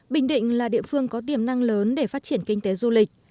bình định là địa phương có tiềm năng lớn để phát triển kinh tế du lịch